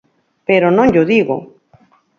Pero non llo digo.